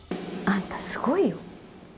あんたすごいよ。